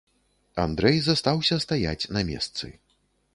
Андрэй застаўся стаяць на месцы.